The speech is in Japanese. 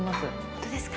本当ですか？